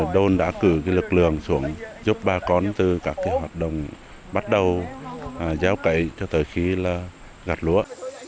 đồn đã cử cái lực lượng xuống giúp bà con từ các cái hoạt động bắt đầu giao cậy cho tới khi là gạt lúa